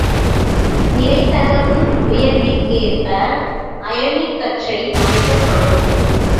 நிறைத்தகவு உயற்விற்கேற்ப அயனிக் கற்றை அமைக்கப்படும்.